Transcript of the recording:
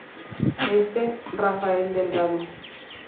Este: Rafael Delgado.